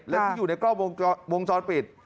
และที่อยู่ในกล้องวงจรปิด